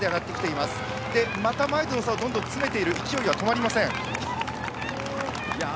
また前との差をどんどん詰めていて勢いは止まりません。